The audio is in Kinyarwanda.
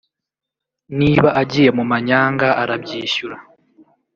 niba agiye mu manyanga arabyishyura